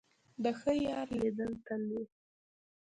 د ښه یار لیدل تل وي.